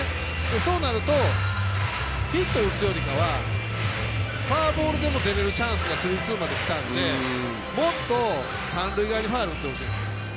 そうなると、ヒット打つよりかはフォアボールでも出れるチャンスがスリーツーまできたんでもっと三塁側にファウル打ってほしいんですよ。